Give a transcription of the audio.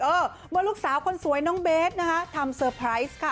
เมื่อลูกสาวคนสวยน้องเบสนะคะทำเซอร์ไพรส์ค่ะ